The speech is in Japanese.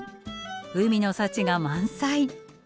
海の幸が満載。